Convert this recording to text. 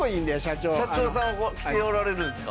社長さん来ておられるんですか？